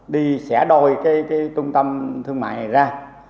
đi xẻ đôi cái trung tâm thương mại này ra